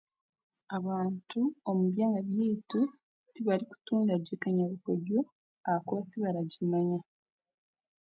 Abaantu omu byanga by'eitu tibarikutunga gye kanyabukoryo ahakuba tibaragimanya.